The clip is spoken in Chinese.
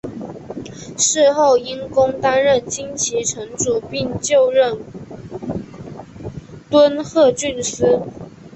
事后因公担任金崎城主并就任敦贺郡司。